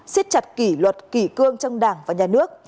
xiết chặt kỷ luật kỷ cương trong đảng và nhà nước